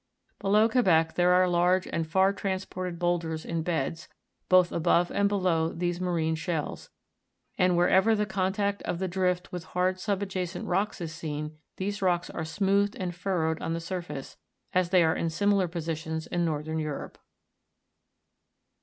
Below Gluebec there are large and far transported boul ders in beds, both above and below these marine shells, and wherever the contact of the drift with hard subjacent rocks is seen, these rocks are smoothed and furrowed on the surface, as they are in similar positions in northern Europe.